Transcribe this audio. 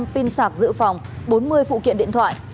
một trăm hai mươi năm pin sạc giữ phòng bốn mươi phụ kiện điện thoại